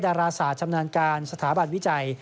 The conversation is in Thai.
ดาราศาสตร์ชำนาญการสถาบันวิจัย